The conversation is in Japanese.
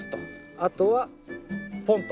あとはポンと。